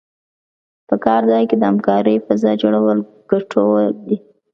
په کار ځای کې د همکارۍ فضا جوړول ګټور دي.